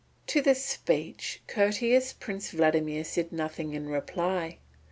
To this speech courteous Prince Vladimir said nothing in reply.